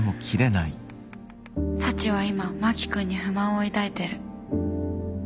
サチは今真木君に不満を抱いてる。